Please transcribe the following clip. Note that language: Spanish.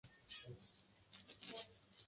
Es un jugador de fútbol brasileño.